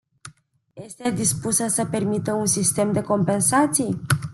Este dispusă să permită un sistem de compensații?